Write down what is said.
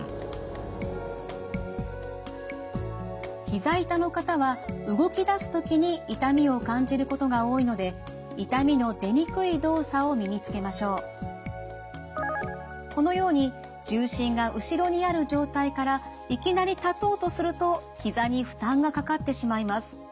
ひざ痛の方は動きだす時に痛みを感じることが多いのでこのように重心が後ろにある状態からいきなり立とうとするとひざに負担がかかってしまいます。